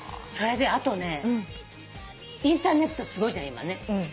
それであとねインターネットすごいじゃない今ね。